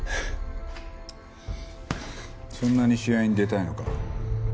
そんなに試合に出たいのか。